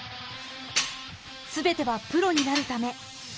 全てはプロになるため。